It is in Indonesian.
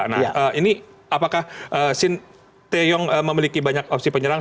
nah ini apakah sinteyong memiliki banyak opsi penyerang